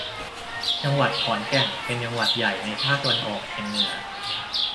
จังหวัดขอนแก่น เป็นจังหวัดใหญ่ในภาคตะวันออกเฉียงเหนือ